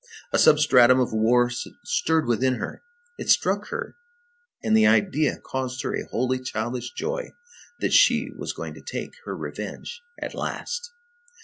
A substratum of war stirred within her. It struck her, and the idea caused her a wholly childish joy, that she was going to take her revenge at last.